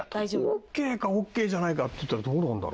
ＯＫかＯＫじゃないかっていったらどうなんだろ？